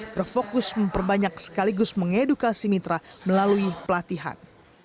berfokus memperbanyak sekaligus mengedukasi mitra melalui pelatihan